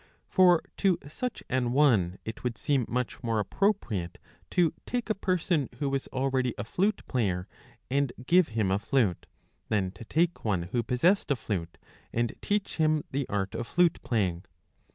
For to such an one it would seem much more appropriate to take a person who was already a flute player and give him a .flute, than to take one who possessed a flute and teach him the art of flute playing.